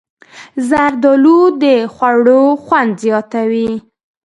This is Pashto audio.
زردالو د خوړو خوند زیاتوي.